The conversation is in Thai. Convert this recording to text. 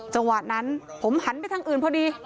จังหวะนั้นผมหันไปทางอื่นพอดี